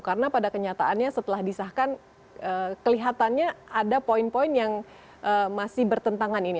karena pada kenyataannya setelah disahkan kelihatannya ada poin poin yang masih bertentangan ini